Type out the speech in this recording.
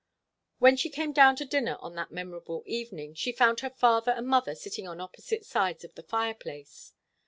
When she came down to dinner on that memorable evening, she found her father and mother sitting on opposite sides of the fireplace.